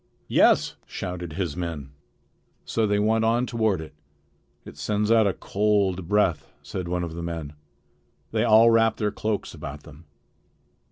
"Yes," shouted his men. So they went on toward it. "It sends out a cold breath," said one of the men. They all wrapped their cloaks about them.